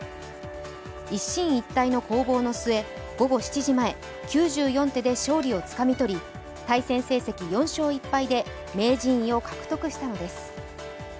一進一退の攻防の末、午後７時前、９４手で勝利をつかみ取り対戦成績４勝１敗で名人位を獲得したのです。